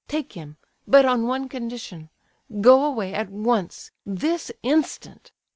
Take him, but on one condition; go away at once, this instant!"